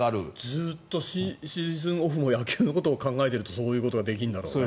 ずっとシーズンオフも野球のことを考えているとそういうことができるんだろうね。